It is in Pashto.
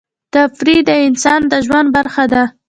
تفریح د انسان د ژوند برخه ده.